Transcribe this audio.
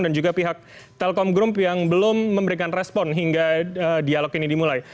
dan juga pihak telkom group yang belum memberikan respon hingga dialog ini dimulai